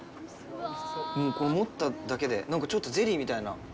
もうこれ持っただけでなんか、ちょっとゼリーみたいな。